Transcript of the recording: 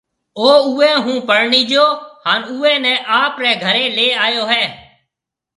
او اُوئي هون پرڻيجو ھانَ اُوئي نَي آپرَي گھري لي آيو هيَ۔